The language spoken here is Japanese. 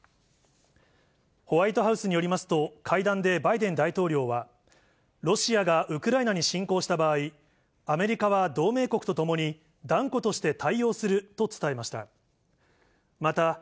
ホワイトハウスによりますと、会談でバイデン大統領は、ロシアがウクライナに侵攻した場合、アメリカは同盟国とともに断固として対応すると伝えました。